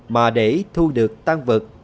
mà để thu được tan vật